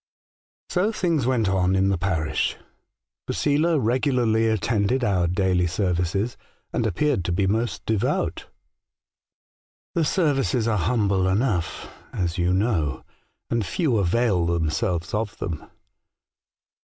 '* So things went on in the parish. Posela regularly attended our daily services, and appeared to be most devout. The services are humble enough, as you know, and few avail themselves of them.